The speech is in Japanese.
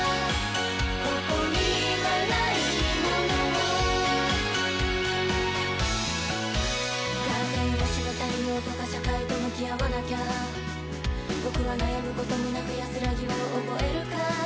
ここにはないものをカーテンを閉め太陽とか社会と向き合わなきゃ僕は悩むこともなく安らぎを覚えるか？